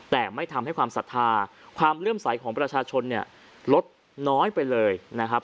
แต่ไม่ทำให้ความศรัทธาความเลื่อมใสของประชาชนเนี่ยลดน้อยไปเลยนะครับ